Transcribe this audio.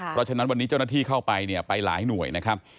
เพราะฉะนั้นวันนี้เจ้าหน้าที่เข้าไปเนี่ยไปหลายหน่วยนะครับ